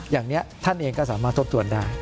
อย่างนี้ท่านเองก็สามารถทบทวนได้